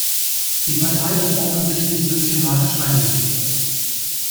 Die Partei wird offensichtlich systematisch eingeschüchtert.